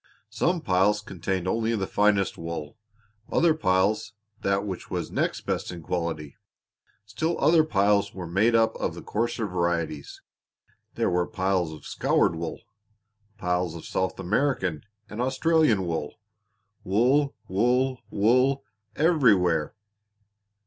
Some piles contained only the finest wool; other piles that which was next best in quality; still other piles were made up of the coarser varieties. There were piles of scoured wool, piles of South American and Australian wool wool, wool, wool everywhere!